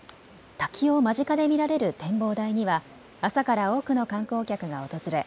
滝を間近で見られる展望台には朝から多くの観光客が訪れ